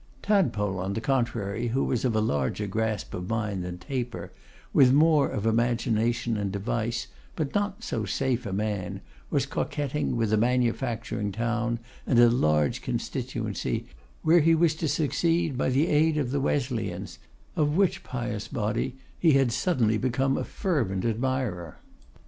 Tadpole, on the contrary, who was of a larger grasp of mind than Taper, with more of imagination and device but not so safe a man, was coquetting with a manufacturing town and a large constituency, where he was to succeed by the aid of the Wesleyans, of which pious body he had suddenly become a fervent admirer.